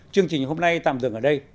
chương trình hôm nay tạm dừng ở đây